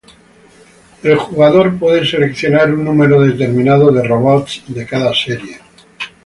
El jugador puede seleccionar un número determinado de robots de cada serie.